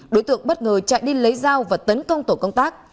đối tượng bất ngờ chạy đi lấy dao và tấn công tổ công tác